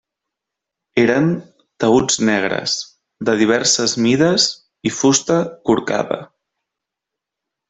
Eren taüts negres, de diverses mides i fusta corcada.